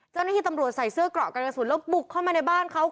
เจ้าหน้าที่ตำรวจใส่เสื้อเกราะกันกระสุนแล้วบุกเข้ามาในบ้านเขา